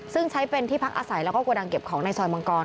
ซึ่งใช้เป็นที่พักอาศัยแล้วก็โกดังเก็บของในซอยมังกร